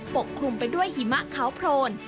ปกคลุมไปด้วยหิมะขาวโพรน